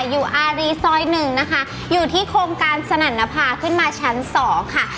อยู่อารีซอยหนึ่งนะคะอยู่ที่โครงการสนัดนภาพขึ้นมาชั้นสองค่ะ